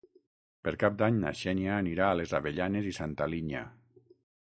Per Cap d'Any na Xènia anirà a les Avellanes i Santa Linya.